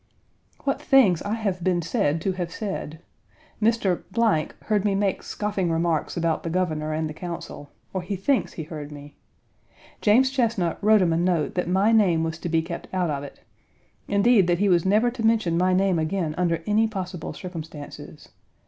What things I have been said to have said! Mr. heard me make scoffing remarks about the Governor and the Council or he thinks he heard me. James Chesnut wrote him a note that my name was to be kept out of it indeed, that he was never to mention my name again under any possible circumstances.